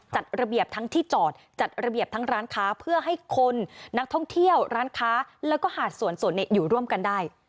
จัดระเบียบทั้งที่จอดจัดระเบียบทั้งร้านค้าเพื่อให้คนนักท่องเที่ยวร้านค้าแล้วก็หาดส่วนอยู่ร่วมกันได้